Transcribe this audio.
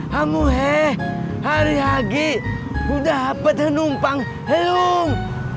kamu udah apa dan umpang helum